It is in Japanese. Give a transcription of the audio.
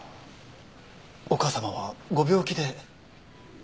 お母様はご病気で？